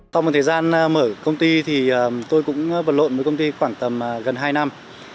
sau một thời gian mở công ty thì tôi cũng vật lộn với công ty khoảng tầm gần hai năm